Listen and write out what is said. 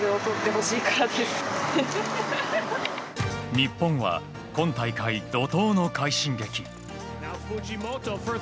日本は今大会、怒涛の快進撃。